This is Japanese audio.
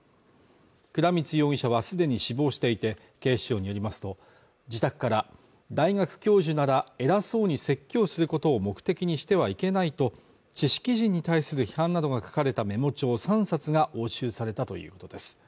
倉光容疑者は既に死亡していて、警視庁によりますと、自宅から大学教授なら、偉そうに説教することを目的にしてはいけないと知識人に対する批判などが書かれたメモ帳３冊が押収されたということです。